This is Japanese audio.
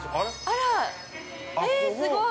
◆あ、すごい。